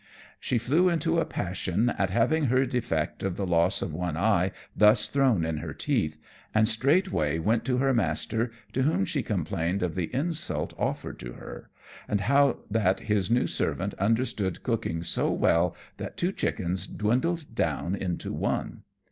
She flew into a passion at having her defect of the loss of one eye thus thrown in her teeth, and straightway went to her master, to whom she complained of the insult offered to her, and how that his new servant understood cooking so well that two chickens dwindled down into one.